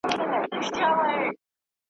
لکه وېره د لستوڼي له مارانو ,